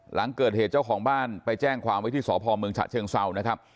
หลังเกิดเหตุเจ้าของบ้านไปแจ้งความไว้ที่สพเมืองฉะเชิงเศร้านะครับ